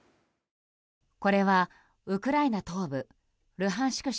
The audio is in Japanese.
これはウクライナ東部ルハンシク